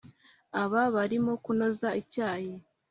Aba barimokunoza icyayi